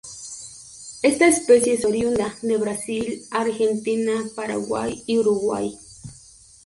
Esta especie es oriunda de Brasil, Argentina, Paraguay y Uruguay.